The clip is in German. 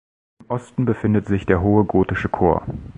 Im Osten befindet sich der hohe gotische Chor.